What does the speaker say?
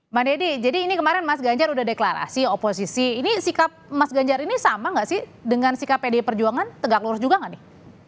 mbak deddy jadi ini kemarin mas ganjar udah deklarasi oposisi ini sikap mas ganjar ini sama nggak sih dengan sikap pdi perjuangan tegak lurus juga nggak nih